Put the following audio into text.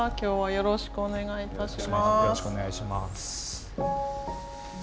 よろしくお願いします。